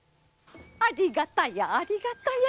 ありがたやありがたや。